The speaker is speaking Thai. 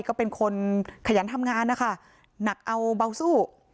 ก็เป็นคนขยันทำงานนะคะหนักเอาเบาสู้